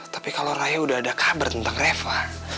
tapi kalau raya udah ada kabar tentang reva